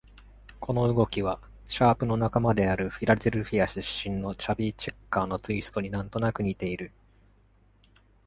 この動きは、シャープの仲間であるフィラデルフィア出身のチャビー・チェッカーのツイストに何となく似ている。